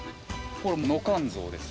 これノカンゾウです。